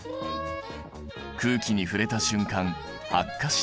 空気に触れた瞬間発火した。